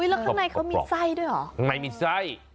แล้วข้างในเขามีไส้ด้วยเหรอข้างในมีไส้